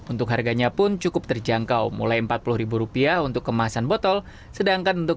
untuk harganya pun cukup terjangkau mulai empat puluh rupiah untuk kemasan botol sedangkan untuk